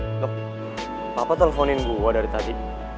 ngep papa telponin gue dari tadi